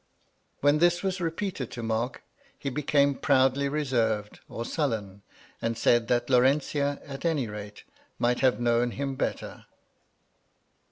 When this was repeated to Mark, he became proudly reserved, or sullen, and said that Laurentia, at any rate, might have known him better.